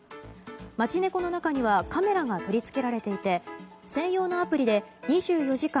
街猫の中にはカメラが取り付けられていて専用のアプリで２４時間